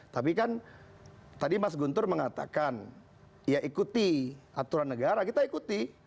tapi kan tadi mas guntur mengatakan ya ikuti aturan negara kita ikuti